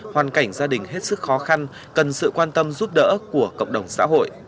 hoàn cảnh gia đình hết sức khó khăn cần sự quan tâm giúp đỡ của cộng đồng xã hội